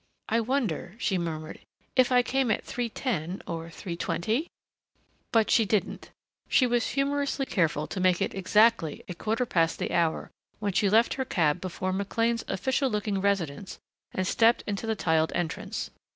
"I wonder," she murmured, "if I came at three ten or three twenty ?"But she didn't. She was humorously careful to make it exactly a quarter past the hour when she left her cab before McLean's official looking residence and stepped into the tiled entrance.